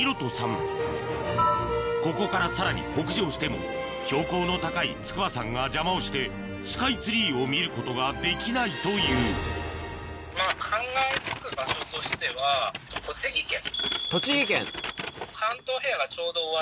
ここからさらに北上しても標高の高い筑波山が邪魔をしてスカイツリーを見ることができないという栃木県。